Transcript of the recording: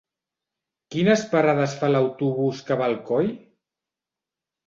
Quines parades fa l'autobús que va a Alcoi?